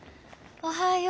おはよう。